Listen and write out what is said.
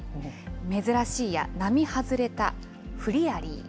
珍しいや並外れた、フリヤリー。